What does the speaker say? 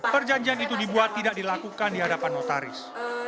perjanjian itu dibuat tidak dilakukan di hadapan notaris